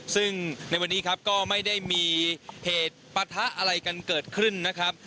ซึ่งในวันนี้ครับก็ไม่ได้มีเหตุปะทะอะไรกันเกิดขึ้นนะครับ